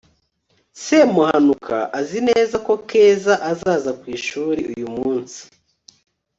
semuhanuka azi neza ko keza azaza ku ishuri uyu munsi